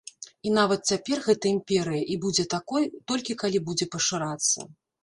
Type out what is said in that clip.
І нават цяпер гэта імперыя, і будзе такой, толькі калі будзе пашырацца.